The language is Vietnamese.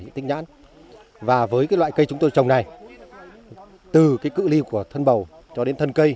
những tích nhãn và với loại cây chúng tôi trồng này từ cái cự li của thân bầu cho đến thân cây